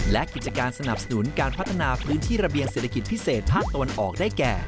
และกิจการสนับสนุนการพัฒนาพื้นที่ระเบียงเศรษฐกิจพิเศษภาคตะวันออกได้แก่